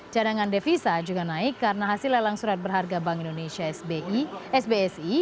cadangan devisa juga naik karena hasil lelang surat berharga bank indonesia sbi sbsi